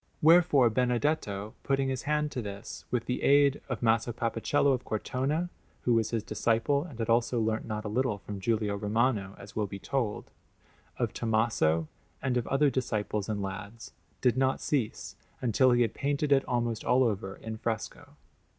Wherefore Benedetto, putting his hand to this with the aid of Maso Papacello of Cortona (who was his disciple and had also learnt not a little from Giulio Romano, as will be told), of Tommaso, and of other disciples and lads, did not cease until he had painted it almost all over in fresco.